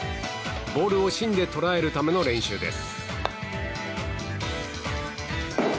ボールを芯で捉えるための練習です。